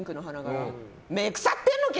目、腐ってんのけ！